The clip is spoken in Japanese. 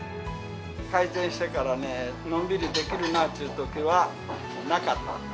開店してからね、のんびりできるなっていうときはなかった。